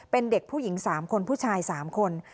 เป็นเด็กผู้หญิง๓คนผู้ชาย๓คน